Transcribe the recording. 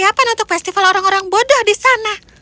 dan membuat festival orang orang bodoh di sana